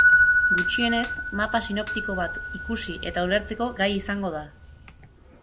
Gutxienez, mapa sinoptiko bat ikusi eta ulertzeko gai izango da.